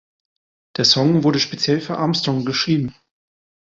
Der Song wurde speziell für Armstrong geschrieben.